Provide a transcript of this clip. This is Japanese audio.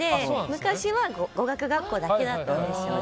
昔は語学学校だけだったんですよ。